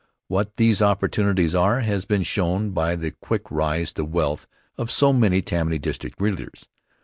What these opportunities are has been shown by the quick rise to wealth of so many Tammany district leaders.